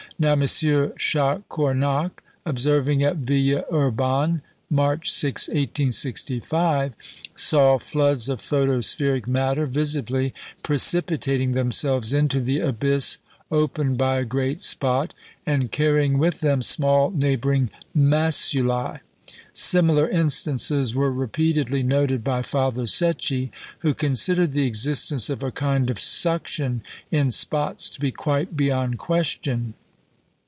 Now M. Chacornac, observing, at Ville Urbanne, March 6, 1865, saw floods of photospheric matter visibly precipitating themselves into the abyss opened by a great spot, and carrying with them small neighbouring maculæ. Similar instances were repeatedly noted by Father Secchi, who considered the existence of a kind of suction in spots to be quite beyond question.